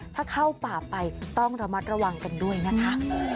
ถ้าเข้าป่าไปต้องระมัดระวังกันด้วยนะคะ